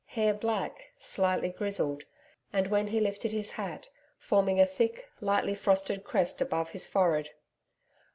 Hair black, slightly grizzled, and when he lifted his hat forming a thick lightly frosted crest above his forehead.